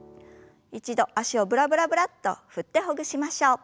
一度脚をブラブラブラッと振ってほぐしましょう。